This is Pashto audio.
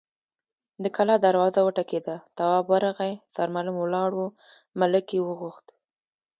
د کلا دروازه وټکېده، تواب ورغی، سرمعلم ولاړ و، ملک يې غوښت.